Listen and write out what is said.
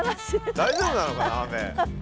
大丈夫なのかな雨。